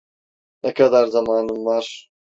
Ne kadar zamanım var?